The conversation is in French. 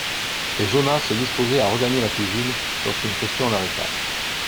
Et Jonas se disposait à regagner la cuisine, lorsqu’une question l’arrêta.